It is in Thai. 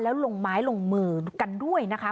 แล้วลงไม้ลงมือกันด้วยนะคะ